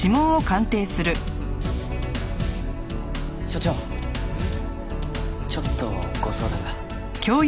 所長ちょっとご相談が。